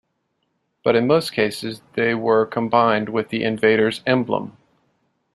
But in most cases they were combined with the invader's emblem.